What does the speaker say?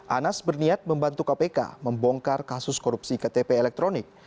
anas berniat membantu kpk membongkar kasus korupsi ktp elektronik